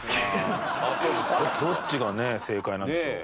どっちがね正解なんでしょう。